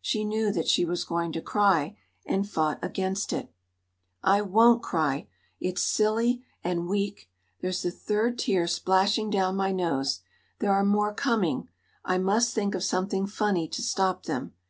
She knew that she was going to cry, and fought against it. "I won't cry. It's silly and weak there's the third tear splashing down by my nose. There are more coming! I must think of something funny to stop them.